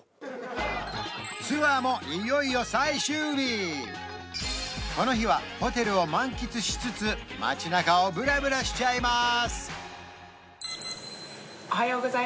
ツアーもいよいよ最終日この日はホテルを満喫しつつ街なかをブラブラしちゃいます